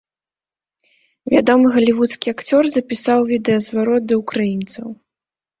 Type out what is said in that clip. Вядомы галівудскі акцёр запісаў відэазварот да ўкраінцаў.